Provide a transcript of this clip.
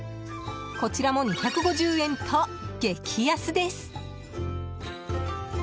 こちらも２５０円と激安です。